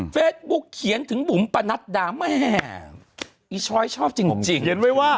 เฟซบุ๊กเขียนถึงบุ๋มปะนัดดาแม่อีช้อยชอบจริงจริงเขียนไว้ว่า